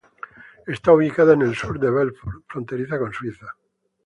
Está ubicada a al sur de Belfort, fronteriza con Suiza.